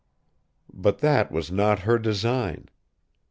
But that was not her design.